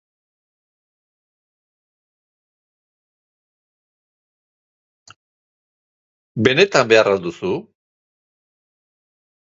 Benetan behar al duzu?